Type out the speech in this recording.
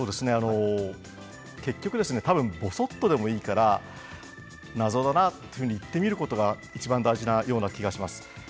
結局は誰か、ぼそっとでもいいから謎だなと言ってみることがいちばん大事なような気がします。